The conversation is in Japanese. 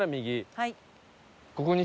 はい。